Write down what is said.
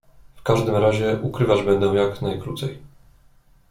"W każdym razie ukrywać będę jak najkrócej."